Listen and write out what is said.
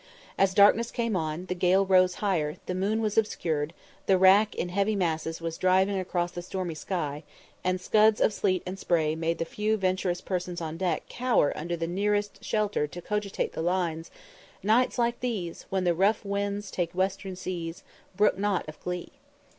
As darkness came on, the gale rose higher, the moon was obscured, the rack in heavy masses was driving across the stormy sky, and scuds of sleet and spray made the few venturous persons on deck cower under the nearest shelter to cogitate the lines "Nights like these, When the rough winds wake western seas, Brook not of glee."